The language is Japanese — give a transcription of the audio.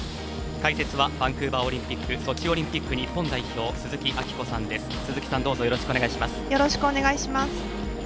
解説はバンクーバーオリンピックソチオリンピック日本代表の鈴木明子さんです。